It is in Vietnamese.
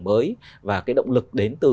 mới và cái động lực đến từ